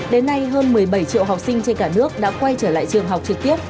đến nay hơn một mươi bảy triệu học sinh trên cả nước đã quay trở lại trường học trực tiếp